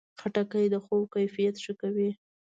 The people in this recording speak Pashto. خټکی د خوب کیفیت ښه کوي.